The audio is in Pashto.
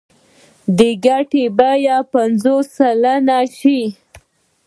د ګټې بیه به پنځوس سلنه شي